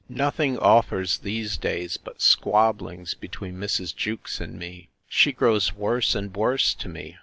Nothing offers these days but squabblings between Mrs. Jewkes and me. She grows worse and worse to me.